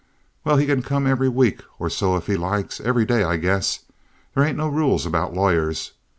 "Well, he kin come every week or so if he likes—every day, I guess—there hain't no rules about lawyers.